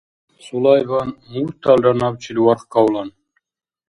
Сулайбан мурталра набчил варх кавлан.